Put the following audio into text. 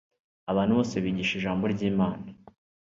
Abantu bose bigisha Ijambo ry'Imana,